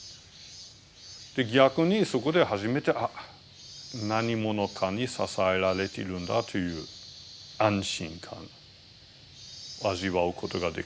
逆にそこで初めてなにものかに支えられているんだという安心感を味わうことができたんですね。